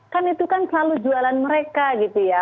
kan itu kan selalu jualan mereka gitu ya